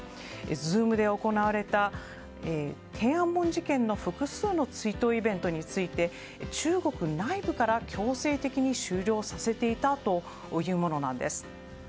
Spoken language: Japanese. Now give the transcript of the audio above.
Ｚｏｏｍで行われた天安門事件の複数の追悼イベントに対して中国内部から強制的に終了させていたというものです。